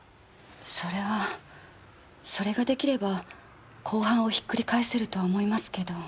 それはそれができれば公判をひっくり返せるとは思いますけど。